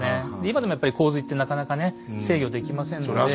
今でもやっぱり洪水ってなかなかね制御できませんので。